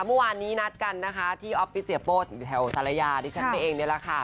เมื่อวานนี้นัดกันนะคะที่ออฟฟิศเสียโป้แถวสารยาดิฉันไปเองนี่แหละค่ะ